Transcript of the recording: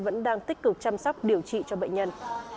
vẫn đang tích cực chăm sóc điều trị cho bệnh nhân